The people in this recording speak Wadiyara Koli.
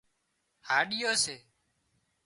هاڏيو سي